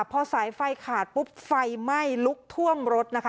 พอสายไฟขาดปุ๊บไฟไหม้ลุกท่วมรถนะคะ